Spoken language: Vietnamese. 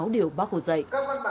sáu điều bác hồ dạy